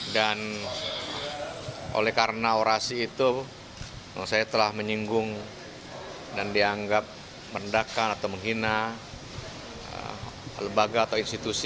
dan oleh karena orasi itu saya telah menyinggung dan dianggap merendahkan atau menghina lebaga atau institusi